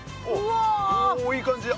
おおいい感じだ。